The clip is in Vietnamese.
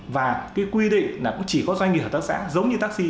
và cái quy định là cũng chỉ có doanh nghiệp hợp tác xã giống như taxi